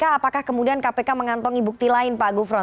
apakah kemudian kpk mengantongi bukti lain pak gufron